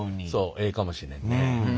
ええかもしれんね。